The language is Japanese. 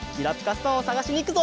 ストーンをさがしにいくぞ！